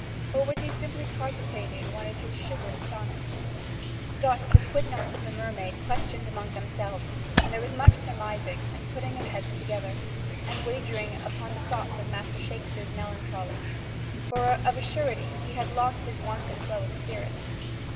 Or was he simply cogitating one of his "sugared sonnets"? Thus the quidnuncs of the Mermaid questioned among themselves: and there was much surmising, and putting of heads together, and wagering upon the thoughts of Master Shakespeare's melancholy: for of a surety he had lost his wonted flow of spirits.